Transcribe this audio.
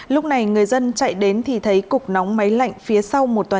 lúc này người dân chạy đến thì thấy cục nóng máy lạnh phía sau một tòa